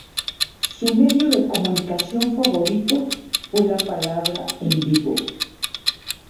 Su medio de comunicación favorito fue la palabra en vivo.